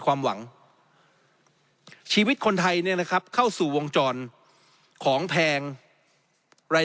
ความหวังชีวิตคนไทยเนี่ยนะครับเข้าสู่วงจรของแพงราย